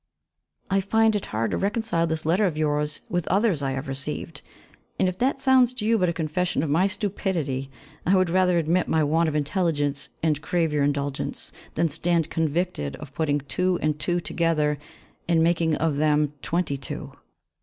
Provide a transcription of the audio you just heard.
I find it hard to reconcile this letter of yours with others I have received, and if that sounds to you but a confession of my stupidity, I would rather admit my want of intelligence and crave your indulgence, than stand convicted of putting two and two together and making of them twenty two.